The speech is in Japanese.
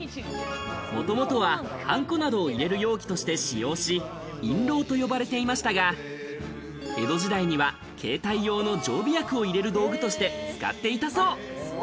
もともとははんこなどを入れる容器として使用し、印籠と呼ばれていましたが、江戸時代には携帯用の常備薬を入れる道具として使っていたそう。